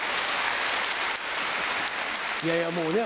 いやいやもうね